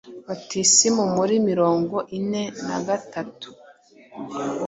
Batisimu muri mirongo ine nagatatu